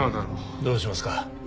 どうしますか？